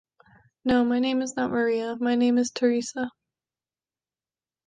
no, my name is not Maria, my name is Teresa